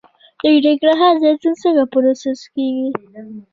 د ننګرهار زیتون څنګه پروسس کیږي؟